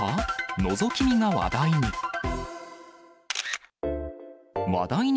のぞき見が話題に。